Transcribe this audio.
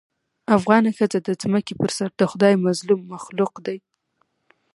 افغانه ښځه د ځمکې په سر دخدای مظلوم مخلوق دې